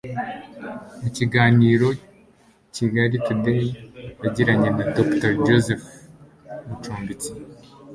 Mu kiganiro Kigali Today yagiranye na Dr. Joseph Mucumbitsi